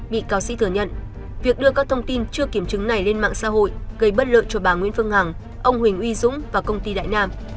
bị cáo sĩ thừa nhận việc đưa các thông tin chưa kiểm chứng này lên mạng xã hội gây bất lợi cho bà nguyễn phương hằng ông huỳnh uy dũng và công ty đại nam